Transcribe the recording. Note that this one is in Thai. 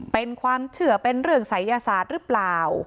เป็นความเชื่อเป็นเรื่องศัยยศาสตร์หรือเปล่า